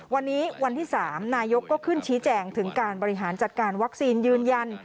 วันนี้วันที่๓นายกก็ขึ้นชี้แจงถึงการบริหารจัดการวัคซีนยืนยัน